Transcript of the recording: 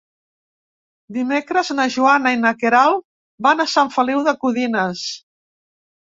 Dimecres na Joana i na Queralt van a Sant Feliu de Codines.